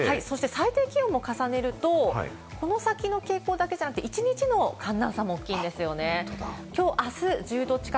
最低気温を重ねると、この先だけの傾向じゃなくて一日の寒暖差も大きいんです。